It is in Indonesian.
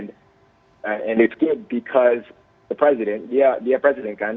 dan itu bagus karena presiden dia presiden kan